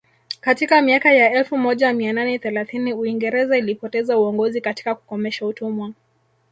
Katika miaka ya elfu moja mia nane thelathini Uingereza ilipoteza uongozi katika kukomesha utumwa